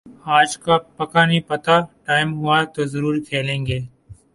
آج کا پکا نہیں پتا، ٹائم ہوا تو زرور کھیلیں گے۔